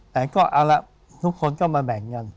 แต่ก็เอาละทุกคนก็มาแบ่งกัน